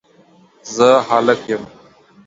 زه هلک یم